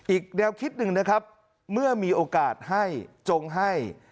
อีกแนวคิดหนึ่งนะครับเมื่อมีโอกาสให้จงให้